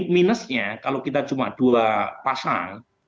minusnya kalau kita cuma dua pasang